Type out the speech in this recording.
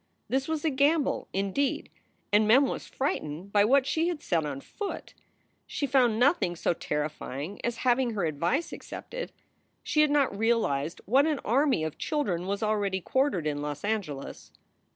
This was a gamble, indeed, and Mem was frightened by what she had set on foot. She found nothing so terrifying as having her advice accepted. She had not realized what an army of children was already quartered in Los Angeles.